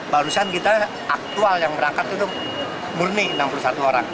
barusan kita aktual yang berangkat itu murni enam puluh satu orang